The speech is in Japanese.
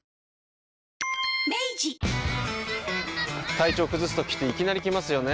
体調崩すときっていきなり来ますよね。